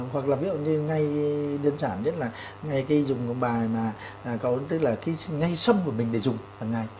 hoặc là ví dụ như ngay đơn giản nhất là ngay cái dùng cái bài mà có tức là cái ngay sâm của mình để dùng hằng ngày